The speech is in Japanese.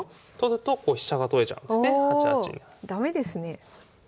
駄目ですね。